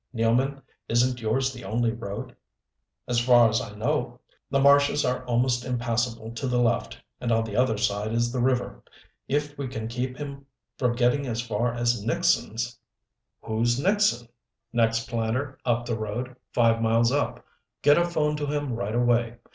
Nealman, isn't yours the only road " "As far as I know " "The marshes are almost impassible to the left, and on the other side is the river. If we can keep him from getting as far as Nixon's " "Who's Nixon " "Next planter up the road, five miles up. Get a phone to him right away.